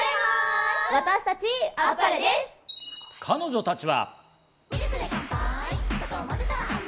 彼女たちは。